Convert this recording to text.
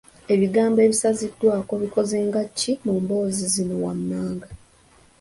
Ebigambo ebisaziddwako bikoze nga ki mu mboozi zino wammanga?